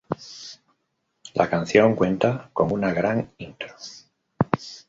La canción cuenta con una gran intro.